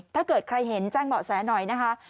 ถ้าเกิดใครเห็นแจ้งเบาะแสหน่อยนะคะ